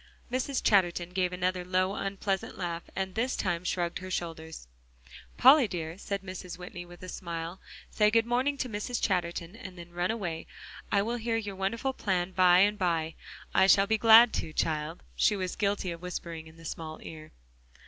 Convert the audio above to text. Mrs. Chatterton gave another low, unpleasant laugh, and this time shrugged her shoulders. "Polly dear," said Mrs. Whitney with a smile, "say good morning to Mrs. Chatterton, and then run away. I will hear your wonderful plan by and by. I shall be glad to, child," she was guilty of whispering in the small ear.